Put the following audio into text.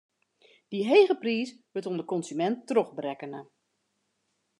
Dy hege priis wurdt oan de konsuminten trochberekkene.